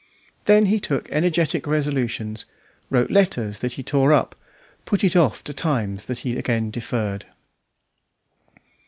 Then he took energetic resolutions, wrote letters that he tore up, put it off to times that he again deferred.